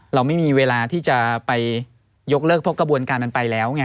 เราไม่มีเวลาที่จะไปยกเลิกเพราะกระบวนการมันไปแล้วไง